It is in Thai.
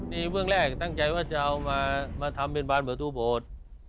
นี่เบื้องแรกตั้งใจว่าจะเอามาทำเป็นบานประตูโบสถ์